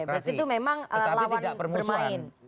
oke berarti itu memang lawan bermain